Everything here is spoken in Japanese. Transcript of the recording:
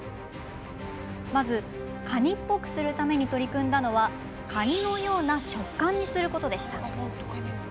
まず、カニっぽくするために取り組んだのはカニのような食感にすることでした。